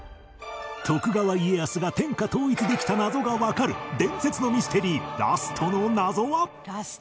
徳川家康が天下統一できた謎がわかる伝説のミステリーラストの謎は